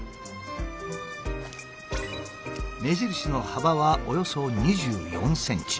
目印の幅はおよそ２４ｃｍ。